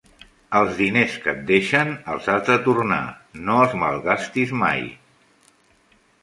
Els diners que et deixen els has de tornar, no els malgastis mai.